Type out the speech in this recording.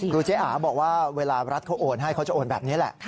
เจ๊อาบอกว่าเวลารัฐเขาโอนให้เขาจะโอนแบบนี้แหละ